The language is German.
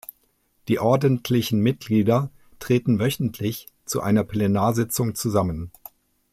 Die ordentlichen Mitglieder treten wöchentlich zu einer Plenarsitzung zusammen.